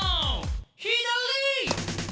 「左！」